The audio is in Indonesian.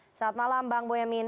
selamat malam bang boyamin